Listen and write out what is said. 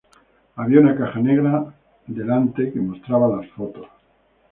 Había una caja negra en delante que mostraba las fotos.